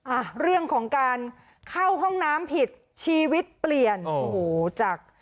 อ่ะเรื่องของการเข้าห้องน้ำผิดชีวิตเปลี่ยนโอ้โหจาก